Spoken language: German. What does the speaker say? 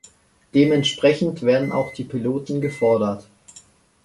Dementsprechend werden auch die Piloten gefordert.